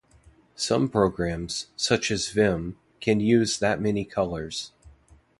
Some programs, such as vim, can use that many colors.